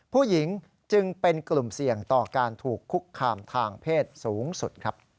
ผู้หญิงจึงเป็นกลุ่มเสี่ยงต่อการถูกคุกคามทางเพศสูงสุดครับ